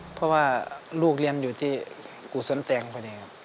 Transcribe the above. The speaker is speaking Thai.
เพราะว่าลูกเรียนอยู่ที่กู่สวนแตงพอเนี่ยครับ